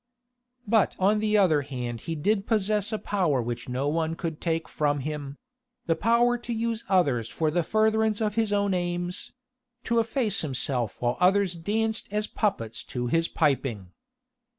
But on the other hand he did possess a power which no one could take from him the power to use others for the furtherance of his own aims to efface himself while others danced as puppets to his piping.